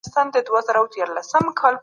ستاسو د خوښې مسلک کوم یو دی؟